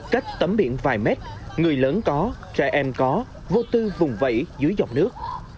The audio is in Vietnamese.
cách tắm biển vài mét người lớn có trẻ em có vô tư vùng vẫy dưới dọc nước